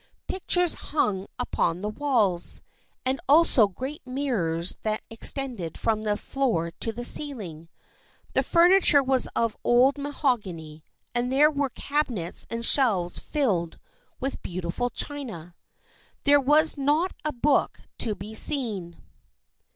Pictures hung upon the walls, and also great mirrors that extended from the floor to the ceiling. The furni ture was of old mahogany, and there were cabinets and shelves filled with beautiful china. There was not a book to be seen.